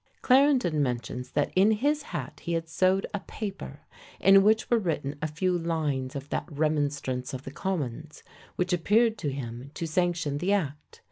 Clarendon mentions that in his hat he had sewed a paper, in which were written a few lines of that remonstrance of the Commons, which appeared to him to sanction the act.